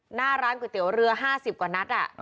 หน้าร้านก๋วยเตี๋ยวเรือ๕๐กว่านัด